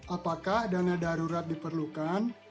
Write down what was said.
apakah dana darurat diperlukan